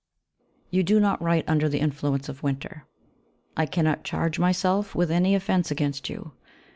You do not write under the influence of winter. I cannot charge myself with any offence against you.